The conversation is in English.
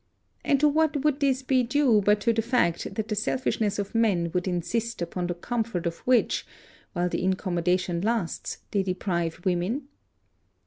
And to what would this be due but to the fact that the selfishness of men would insist upon the comfort of which, while the incommodation lasts, they deprive women?